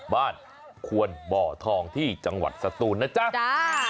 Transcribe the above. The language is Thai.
ควนบ่อทองที่จังหวัดสตูนนะจ๊ะ